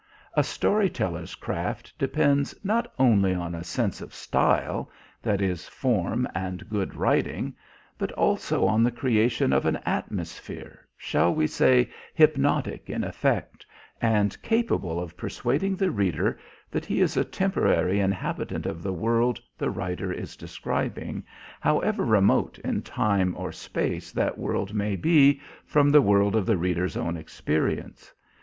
A story teller's craft depends not only on a sense of style, that is, form and good writing, but also on the creation of an atmosphere, shall we say hypnotic in effect, and capable of persuading the reader that he is a temporary inhabitant of the world the writer is describing, however remote in time or space that world may be from the world of the reader's own experience.